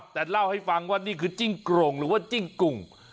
แต่เล่าให้ฟังว่านี่คือจิ้งโกร่งหรือว่าจิ้งกุ่ง